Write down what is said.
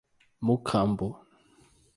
Mucambo